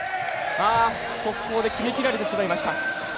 速攻で決めきられてしまいました。